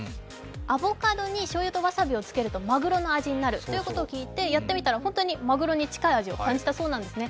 アボカドにしょうゆとわさびをつけるとマグロの味になるということで、やってみたら本当にマグロに近い味を感じたそうなんですね。